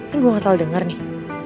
ini gue gak salah denger nih